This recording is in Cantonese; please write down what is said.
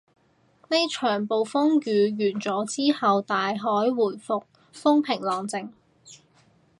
呢場暴風雨完咗之後，大海回復風平浪靜